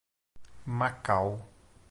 Macau